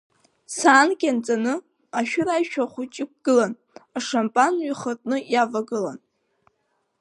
Саанк ианҵаны, ашәыр аишәа хәыҷы иқәгылан, ашампан ҩы хыртны иавагылан.